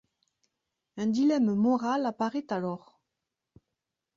Un dilemme moral apparaît alors.